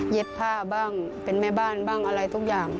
ผ้าบ้างเป็นแม่บ้านบ้างอะไรทุกอย่าง